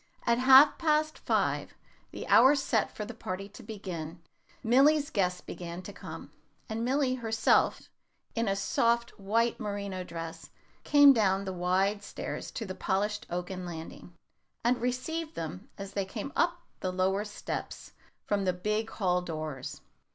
At half past five, the hour set for the party to begin, Milly's guests began to come; and Milly herself, in a soft white merino dress, came down the wide stairs to the polished oaken landing, and received them as they came up the lower steps from the big hall doors.